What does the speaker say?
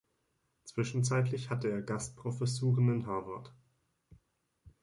Zwischenzeitlich hatte er Gastprofessuren in Harvard.